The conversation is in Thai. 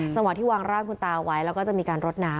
จังหวะที่วางร่างคุณตาไว้แล้วก็จะมีการรดน้ำ